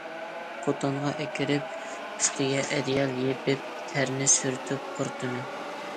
قوتانغا ئەكىرىپ، ئۈستىگە ئەدىيال يېپىپ، تەرىنى سۈرتۈپ قۇرۇتىمەن.